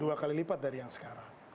dua kali lipat dari yang sekarang